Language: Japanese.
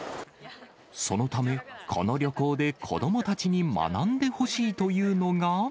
そのため、この旅行で子どもたちに学んでほしいというのが。